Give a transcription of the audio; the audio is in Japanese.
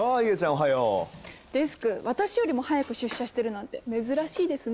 デスク私よりも早く出社してるなんて珍しいですね。